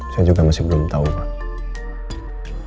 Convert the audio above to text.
saya juga masih belum tahu pak